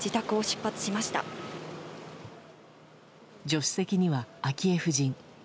助手席には昭恵夫人。